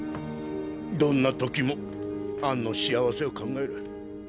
どんな時もアンの幸せを考える。